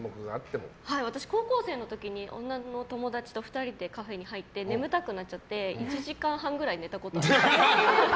私は高校生の時に女の友達と２人でカフェに入って眠たくなっちゃって１時間半くらい寝たことあります。